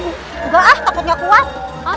tunggu ah takutnya kuat